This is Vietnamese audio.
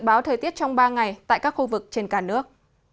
dự báo thời tiết trong ba ngày tại các khu vực trên cả nước